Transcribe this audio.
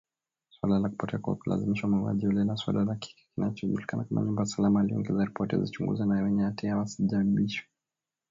Suala la kupotea kwa kulazimishwa, mauaji holela, suala la kile kinachojulikana kama nyumba salama, aliongezea ripoti zichunguzwe na wenye hatia wawajibishwe.